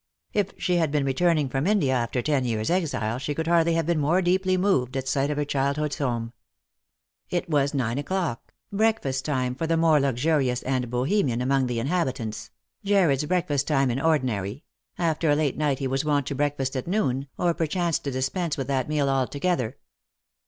If she had been returning from India after ten years' exile she could hardly have been more deeply moved at sight of her childhood's home. It was nine o'clock, breakfast time for the more luxurious and Bohemian among the inhabitants — Jarred's breakfast time in ordinary; after a late night he was wont to break fast at noon, or perchance to dispense with that meal altogether.